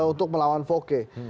untuk melawan voke